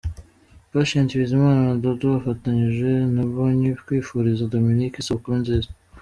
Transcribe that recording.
Patient Bizimana na Dudu bafatanyije na Mbonyi kwifuriza Dominic isabukuru nziza.